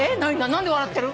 何で笑ってる？